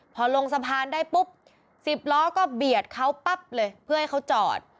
พอลงสะพานได้ปุ๊บ๑๐ล้อก็เบียดเขาปั๊บเลยเพื่อให้เขาจอด